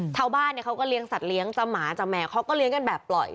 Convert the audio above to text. ชาวบ้านเขาก็เลี้ยสัตว์เลี้ยงจะหมาจะแหมเขาก็เลี้ยงกันแบบปล่อย